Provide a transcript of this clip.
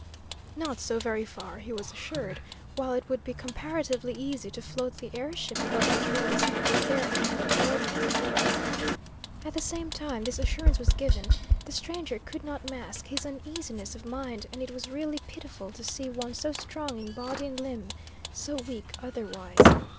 Not so very far, he was assured, while it would be comparatively easy to float the air ship above the trees, there of no extraordinary growth. At the same time this assurance was given, the stranger could not mask his uneasiness of mind, and it was really pitiful to see one so strong in body and limb, so weak otherwise.